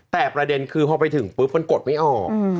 แต่ประเด็นคือพอไปถึงปุ๊บมันกดไม่ออก